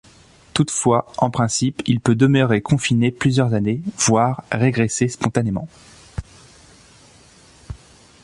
Toutefois, en principe il peut demeurer confiné plusieurs années, voire régresser spontanément.